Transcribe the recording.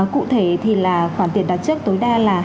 cụ thể thì là khoản tiền đặt trước tối đa là hai mươi